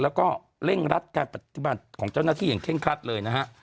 แล้วก็เร่งรัดการปฏิบัติของเจ้าหน้าที่อย่างเร่งครัดเลยนะฮะ